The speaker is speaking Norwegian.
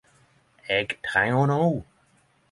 Eg treng ho no.